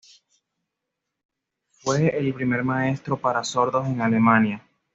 Fue el primer maestro para sordos en Alemania.